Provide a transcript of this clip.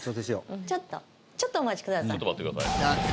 ちょっとちょっとお待ちください